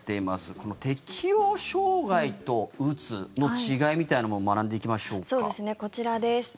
この適応障害とうつの違いみたいなものもこちらです。